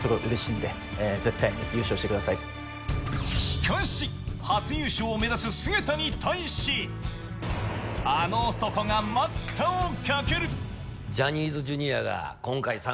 しかし、初優勝を目指す菅田に対し、あの男が待ったをかける。